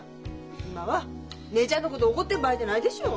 今は姉ちゃんのこと怒っでる場合でないでしょう。